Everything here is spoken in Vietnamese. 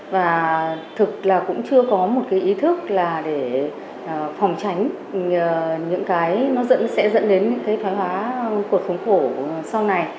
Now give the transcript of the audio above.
và thực là cũng chưa có một ý thức để phòng tránh những cái sẽ dẫn đến thoái hóa cuộc sống khổ sau này